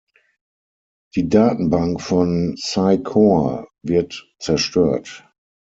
Die Datenbank von Cy-Kor wird zerstört.